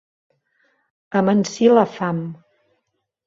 Amansir la fam.